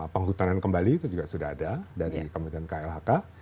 penghutanan kembali itu juga sudah ada dari kementerian klhk